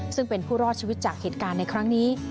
ซึ่งเป็นผู้รอดชีวิตจากเหตุการณ์ในครั้งนี้